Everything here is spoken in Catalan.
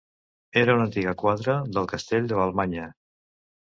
Era una antiga quadra del castell de Vallmanya.